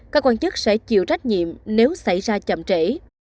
các quan chức sẽ chịu trách nhiệm nếu xảy ra chậm trễ